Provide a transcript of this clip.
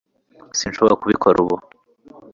s sinshobora kubikora ubu